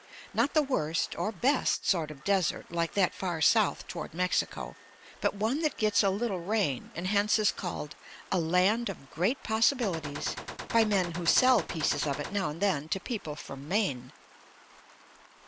Not the worst or best sort of desert like that far south toward Mexico, but one that gets a little rain, and hence is called a "Land of Great Possibilities" by men who sell pieces of it now and then to people from Maine.